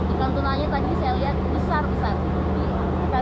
iklan tunanya tadi saya lihat besar besar